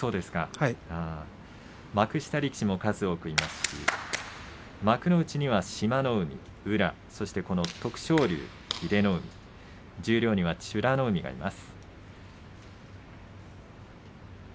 幕下力士も数多くいますし幕内には志摩ノ海、宇良そして徳勝龍、英乃海十両には美ノ海がいます。